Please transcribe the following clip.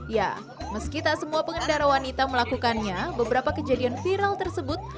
ya meski tak semua pengendara wanita melakukannya beberapa kejadian viral tersebut